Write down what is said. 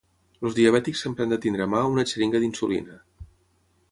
Els diabètics sempre han de tenir a mà una xeringa d'insulina.